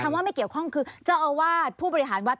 ว่าไม่เกี่ยวข้องคือเจ้าอาวาสผู้บริหารวัด